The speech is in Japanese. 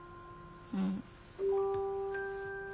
うん。